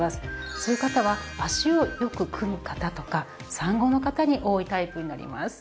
そういう方は脚をよく組む方とか産後の方に多いタイプになります。